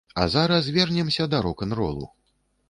А зараз вернемся да рок-н-ролу.